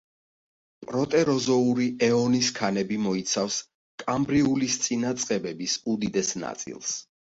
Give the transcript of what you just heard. პროტეროზოური ეონის ქანები მოიცავს კამბრიულისწინა წყებების უდიდეს ნაწილს.